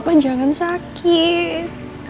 bapak jangan sakit